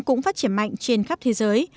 cũng phát triển mạnh trên khắp thế giới